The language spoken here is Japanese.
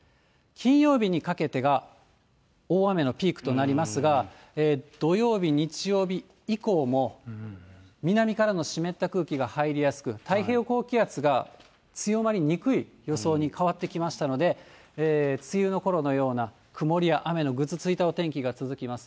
金曜日にかけてが、大雨のピークとなりますが、土曜日、日曜日以降も、南からの湿った空気が入りやすく、太平洋高気圧が強まりにくい予想に変わってきましたので、梅雨のころのような、曇りや雨のぐずついたお天気が続きます。